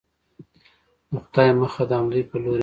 د خدای مخه د همدوی په لورې ده.